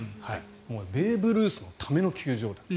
ベーブ・ルースのための球場と。